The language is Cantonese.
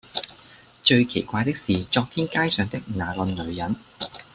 最奇怪的是昨天街上的那個女人，